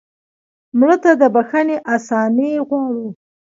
مړه ته د بښنې آساني غواړو